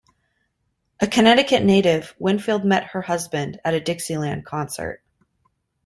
A Connecticut native, Winfield met her husband at a Dixieland concert.